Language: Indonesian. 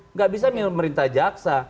enggak bisa dia merintah jaksa